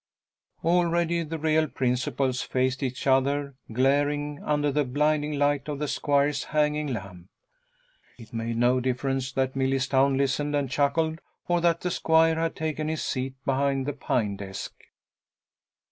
Already the real principals faced each other, glaring, under the blinding light of the squire's hanging lamp. It made no difference that Millerstown listened and chuckled or that the squire had taken his seat behind the pine desk.